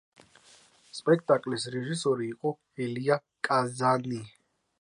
სპექტაკლის რეჟისორი იყო ელია კაზანი.